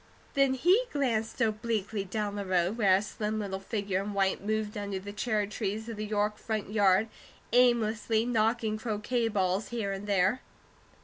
Then he glanced obliquely down the road, where a slim little figure in white moved under the cherry trees of the York front yard, aimlessly knocking croquet balls here and there.